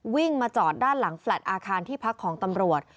วิ่งมาจอดด้านหลังแฟลต์อาคารที่พักของตำรวจ